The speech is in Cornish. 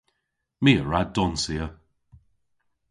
My a wra donsya.